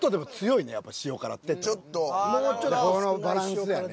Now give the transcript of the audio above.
このバランスやね。